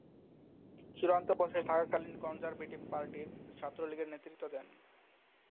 চূড়ান্ত বর্ষে থাকাকালীন কনজারভেটিভ পার্টির ছাত্রলীগের নেতৃত্ব দেন।